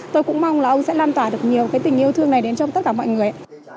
tôi cũng mong là ông sẽ lan tỏa được nhiều cái tình yêu thương này đến trong tất cả mọi người